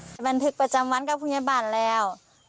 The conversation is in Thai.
และในปีนี้เธอกำลังจะปิดร้านปะดีและในปีนี้เธอกำลังจะปิดร้านปะดี